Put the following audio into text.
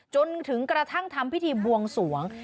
จนกระทั่งทำพิธีบวงสวง